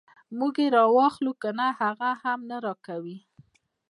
موږ یې راواخلو کنه هغه هم نه راکوي.